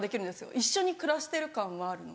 一緒に暮らしてる感はあるので。